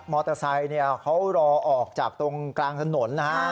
อเตอร์ไซค์เขารอออกจากตรงกลางถนนนะฮะ